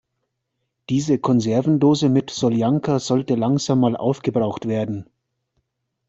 Diese Konservendose mit Soljanka sollte langsam mal aufgebraucht werden.